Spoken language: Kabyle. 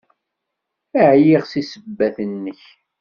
Ɛyiɣ seg ssebbat-nnek!